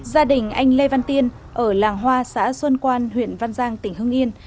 gia đình anh lê văn tiên ở làng hoa xã xuân quan huyện văn giang tỉnh hưng yên